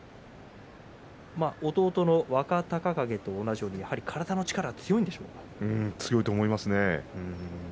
弟の若隆景と同じように強いと思いますね。